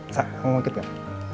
sak mau ngikut gak